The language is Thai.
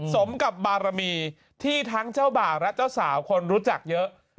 สมกับบารมีที่ทั้งเจ้าบ่าวและเจ้าสาวคนรู้จักเยอะ